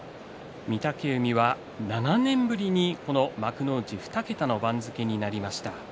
御嶽海、７年ぶりに幕内２桁の番付になりました。